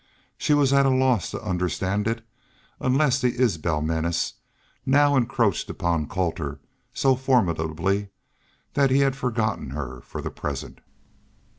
She was at a loss to understand it unless the Isbel menace now encroached upon Colter so formidably that he had forgotten her for the present.